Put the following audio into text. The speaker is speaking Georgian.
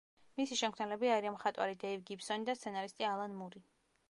მისი შემქმნელები არიან მხატვარი დეივ გიბონსი და სცენარისტი ალან მური.